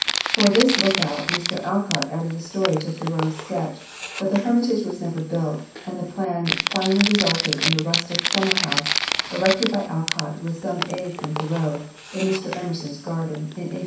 For this lookout Mr. Alcott added a story to Thoreau's sketch; but the hermitage was never built, and the plan finally resulted in a rustic summer house, erected by Alcott with some aid from Thoreau, in Mr. Emerson's garden, in 1847 48.